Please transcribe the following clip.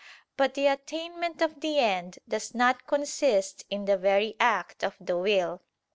But the attainment of the end does not consist in the very act of the will.